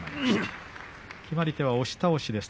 決まり手は押し倒しです。